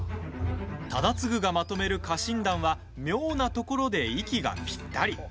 忠次がまとめる家臣団は妙なところで息がぴったり。